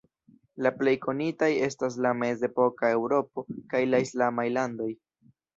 La plej konitaj estas la mezepoka Eŭropo, kaj la islamaj landoj.